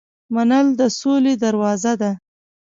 منل د سولې دروازه ده.